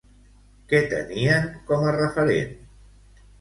Què tenien com a referent?